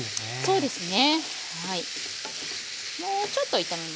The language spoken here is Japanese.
そうですね。